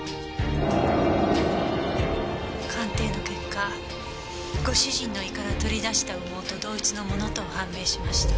鑑定の結果ご主人の胃から取り出した羽毛と同一のものと判明しました。